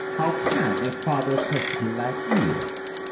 How can a further test delight you?